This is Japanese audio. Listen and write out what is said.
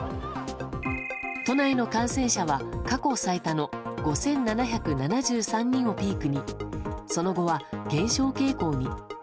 都内の感染者は過去最多の５７７３人をピークにその後は減少傾向に。